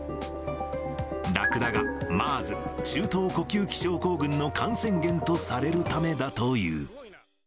ラクダがＭＥＲＳ・中東呼吸器症候群の感染源とされるためだという。